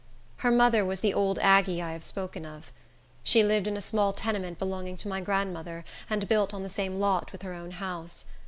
Her mother was the old Aggie I have spoken of. She lived in a small tenement belonging to my grandmother, and built on the same lot with her own house.